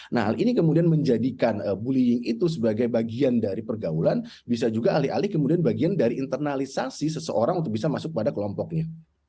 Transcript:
nah hal ini kemudian menjadikan bullying itu sebagai bagian dari pergaulan bisa juga alih alih kemudian bagian dari internalisasi seseorang untuk bisa masuk pada kelompoknya